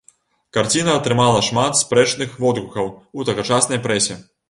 Карціна атрымала шмат спрэчных водгукаў у тагачаснай прэсе.